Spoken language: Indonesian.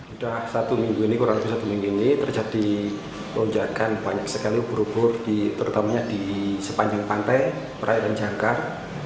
sudah satu minggu ini kurang lebih satu minggu ini terjadi lonjakan banyak sekali ubur ubur terutamanya di sepanjang pantai perairan jangkar